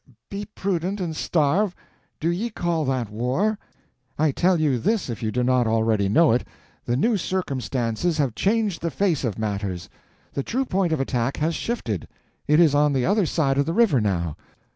"Be prudent and starve? Do ye call that war? I tell you this, if you do not already know it: The new circumstances have changed the face of matters. The true point of attack has shifted; it is on the other side of the river now.